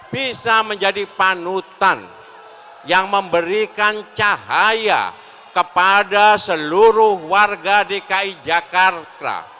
bisa menjadi panutan yang memberikan cahaya kepada seluruh warga dki jakarta